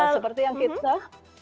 seperti yang kita